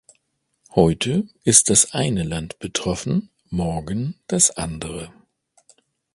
Heute ist das eine Land betroffen, morgen das andere.